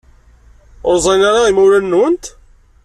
Ur ẓrin ara yimawlan-nwent?